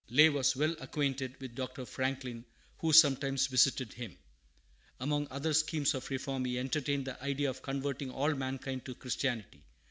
[Lay was well acquainted with Dr. Franklin, whosometimes visited him. Among other schemes of reform he entertained the idea of converting all mankind to Christianity.